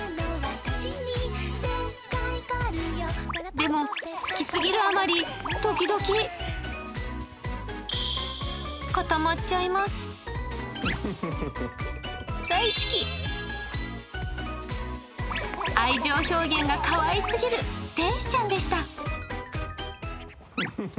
でも好きすぎるあまり、時々愛情表現がかわいすぎる天使ちゃんでした。